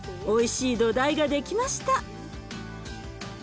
おいしい土台が出来ました！